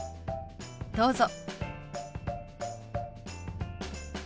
どうぞ。